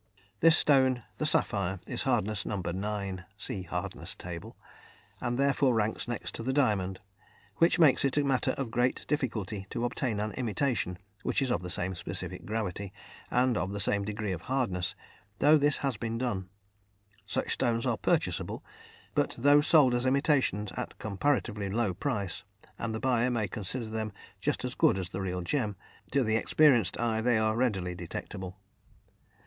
This stone, the sapphire, is hardness No. 9 (see "Hardness" table), and therefore ranks next to the diamond, which makes it a matter of great difficulty to obtain an imitation which is of the same specific gravity and of the same degree of hardness, though this has been done. Such stones are purchasable, but though sold as imitations at comparatively low price, and the buyer may consider them just as good as the real gem, to the experienced eye they are readily detectable.